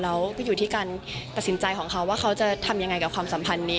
แล้วไปอยู่ที่การตัดสินใจของเขาว่าเขาจะทำยังไงกับความสัมพันธ์นี้